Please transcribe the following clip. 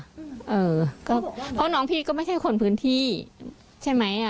เพราะว่าน้องพี่ก็ไม่ใช่คนพื้นที่ใช่ไหมอ่ะ